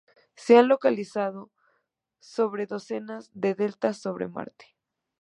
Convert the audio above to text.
Se han localizado docenas de deltas sobre Marte.